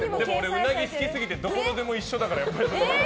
うなぎ好きすぎてどこのでも一緒だから。